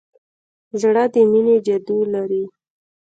زړه د مینې جادو لري.